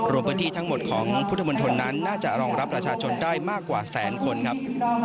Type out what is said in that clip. รวมพื้นที่ทั้งหมดของพุทธมณฑลนั้นน่าจะรองรับประชาชนได้มากกว่าแสนคนครับ